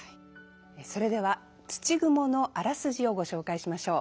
それでは「土蜘」のあらすじをご紹介しましょう。